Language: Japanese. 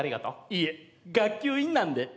いいえ学級委員なんで。